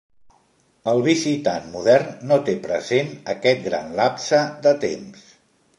El visitant modern no té present aquest gran lapse de temps.